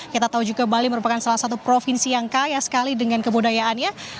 kita tahu juga bali merupakan salah satu provinsi yang kaya sekali dengan kebudayaannya